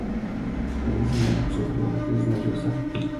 Alice Neel sufrió una crisis nerviosa.